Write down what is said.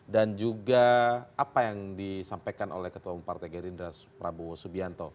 dan juga apa yang disampaikan oleh ketua pembangunan partai gerindra prabowo subianto